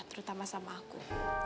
terutama sama aku